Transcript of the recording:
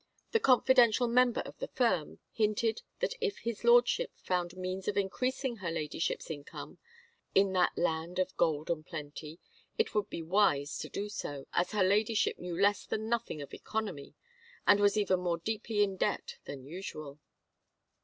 The confidential member of the firm hinted that if his lordship found means of increasing her ladyship's income in that land of gold and plenty it would be wise to do so, as her ladyship knew less than nothing of economy and was even more deeply in debt than usual.